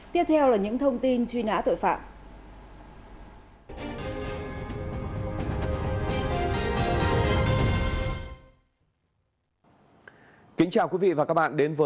tiếp theo là những thông tin truy nã tội phạm